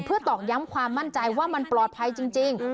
ตอกย้ำความมั่นใจว่ามันปลอดภัยจริง